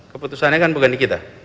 keputusannya kan bukan di kita